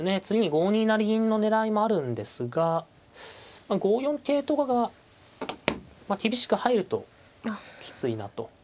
次に５二成銀の狙いもあるんですがまあ５四桂とかが厳しく入るときついなと。